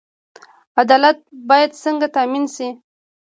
عدالت باید څنګه تامین شي؟